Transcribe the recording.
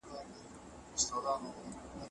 د مېلمه راتلل د خدای رحمت دی.